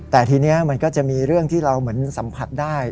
แต่ทีนี้มันก็จะมีเรื่องที่เราเหมือนสัมผัสได้